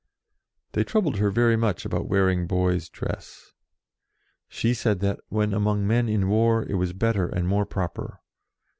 They troubled her very much about wear ing boy's dress. She said that, when among men in war, it was better and more proper.